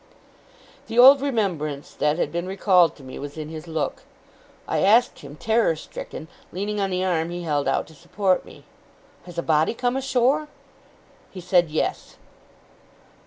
The old remembrance that had been recalled to me, was in his look. I asked him, terror stricken, leaning on the arm he held out to support me: 'Has a body come ashore?' He said, 'Yes.